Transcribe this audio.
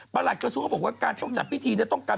ประหลัดกระทรวงบอกว่าการช่องจัดพิธีเนี่ย